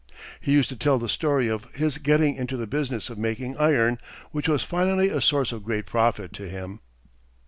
He used to tell the story of his getting into the business of making iron, which was finally a source of great profit to him.